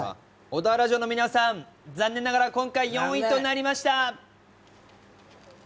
小田原城の皆さん、残念ながら今回、４位となりました。